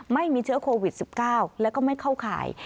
ไม่มีเชื้อโควิด๑๙แล้วก็ไม่เข้าข่าย